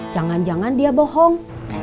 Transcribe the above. jangan jangan dia bohong